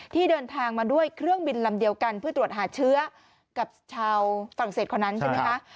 ที่เดินทางมาด้วยเครื่องบินลำเดียวกันเพื่อตรวจหาเชื้อกับชาวฝรั่งเศสคนนั้นใช่ไหมคะ